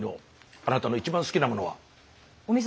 あなたの一番好きなものは？